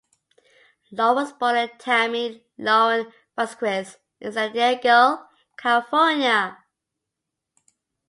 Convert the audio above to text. Lauren was born Tammy Lauren Vasquez in San Diego, California.